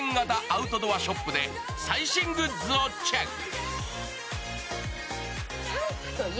アウトドアショップで、最新グッズをチェック。